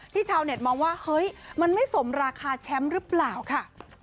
ชาวเน็ตมองว่าเฮ้ยมันไม่สมราคาแชมป์หรือเปล่าค่ะ